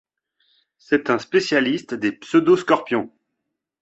C'est un spécialiste des pseudoscorpions.